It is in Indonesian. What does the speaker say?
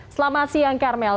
selamat siang karmel